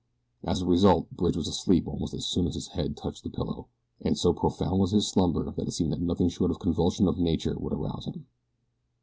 As a result, Bridge was asleep almost as soon as his head touched the pillow, and so profound was his slumber that it seemed that nothing short of a convulsion of nature would arouse him.